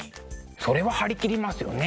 それは張り切りますよね。